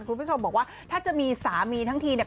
คุณผู้ชมบอกว่าถ้าจะมีสามีทั้งทีเนี่ย